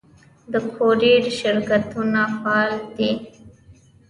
د کوریر شرکتونه فعال دي؟